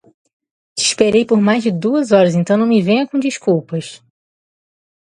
Te esperei por mais de duas horas, então não me venha com desculpas.